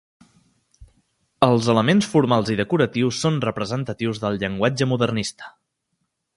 Els elements formals i decoratius són representatius del llenguatge modernista.